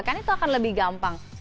kan itu akan lebih gampang